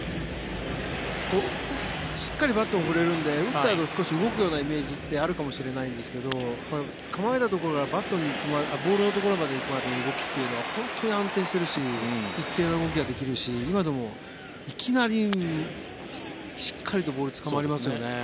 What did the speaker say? しっかりバットを振れるので打ったあと動くイメージがあると思うんですが構えたところからボールのところまで行くまでの動きというのは本当に安定しているし一定の動きができるし今のも、いきなりしっかりとボールつかまりますよね。